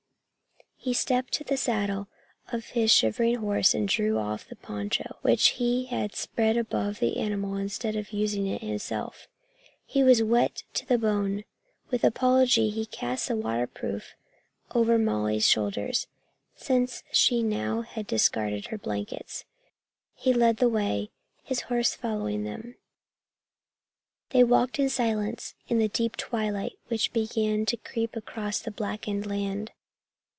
He stepped to the saddle of his shivering horse and drew off the poncho, which he had spread above the animal instead of using it himself. He was wet to the bone. With apology he cast the waterproof over Molly's shoulders, since she now had discarded her blankets. He led the way, his horse following them. They walked in silence in the deep twilight which began to creep across the blackened land.